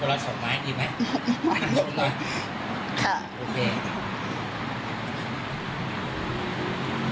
ก็ละสองไม้กินไหมสองไม้สองไม้ค่ะโอเค